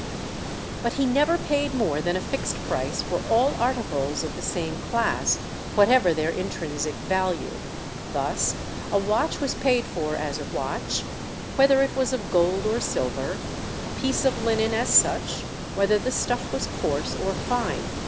But he never paid more than a fixed price for all articles of the same class, whatever their intrinsic value. Thus, a watch was paid for as a watch, whether it was of gold or silver; a piece of linen as such, whether the stuff was coarse or fine.